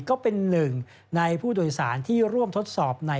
ก็เป็น๑ในผู้โดยสารที่ร่วมทดสอบในวันนี้